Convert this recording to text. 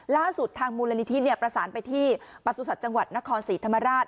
ล่าสุดทางมูลนิธิประสานไปที่ประสุทธิ์จังหวัดนครศรีธรรมราช